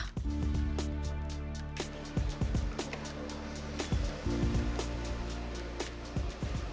suara si reva